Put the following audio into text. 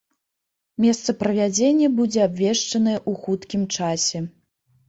Месца правядзення будзе абвешчанае ў хуткім часе.